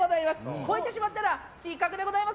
超えてしまったら失格でございます。